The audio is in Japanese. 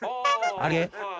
あれ？